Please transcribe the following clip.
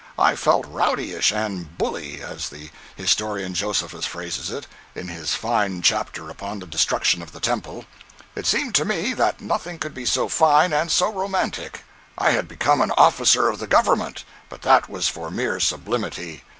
I felt rowdyish and "bully," (as the historian Josephus phrases it, in his fine chapter upon the destruction of the Temple). It seemed to me that nothing could be so fine and so romantic. I had become an officer of the government, but that was for mere sublimity.